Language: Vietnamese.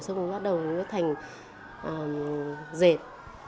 rồi bắt đầu thành dệt